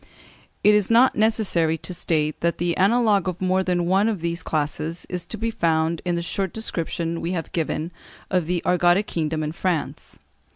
It is not necessary to state that the analogue of more than one of these classes is to be found in the short description we have given of the Argotic kingdom in France.